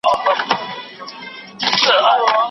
چي شرنګی یې وو په ټوله محله کي